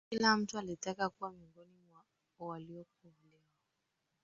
kila mtu alitaka kuwa miongoni mwa waliokolewa